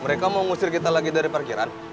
mereka mau ngusir kita lagi dari parkiran